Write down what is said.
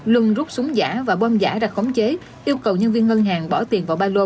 luân rút súng giả và bon giả ra khống chế yêu cầu nhân viên ngân hàng bỏ tiền vào ba lô